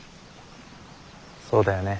そうだよね。